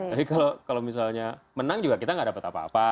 tapi kalau misalnya menang juga kita gak dapat apa apa